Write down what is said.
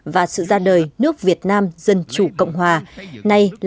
và sự ra đời nước việt nam dân chủ cộng hòa